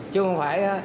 chứ không phải